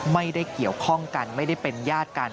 ไม่ได้เกี่ยวข้องกันไม่ได้เป็นญาติกัน